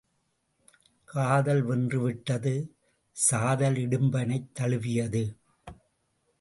காதல் வென்றுவிட்டது சாதல் இடிம்பனைத் தழுவியது.